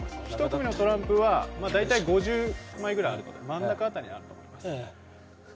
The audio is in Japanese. １組のトランプは５０枚ぐらいある、真ん中辺りにあると思います。